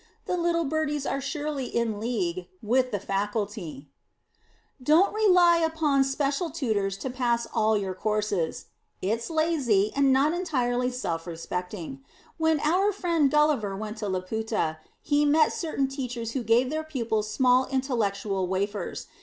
The little birdies are surely in league with the Faculty. [Sidenote: INTELLECTUAL NARCOTICS] Don't rely upon special tutors to pass all your courses. It's lazy and not entirely self respecting. When our friend Gulliver went to Laputa, he met certain Teachers who gave their pupils small intellectual wafers.